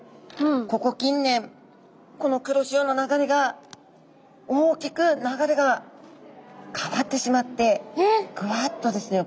ここ近年この黒潮の流れが大きく流れが変わってしまってぐわっとですね